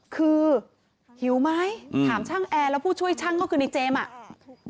คือหิวไหมถามช่างแอร์แล้วผู้ช่วยช่างก็คือในเจมส์อ่ะ